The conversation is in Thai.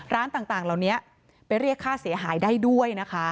ร้านต่างเหล่านี้ไปเรียกค่าเสียหายได้ด้วยนะคะ